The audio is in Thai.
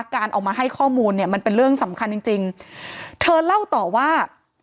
การออกมาให้ข้อมูลเนี่ยมันเป็นเรื่องสำคัญจริงจริงเธอเล่าต่อว่า